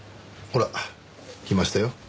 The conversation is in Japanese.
ほら来ましたよ。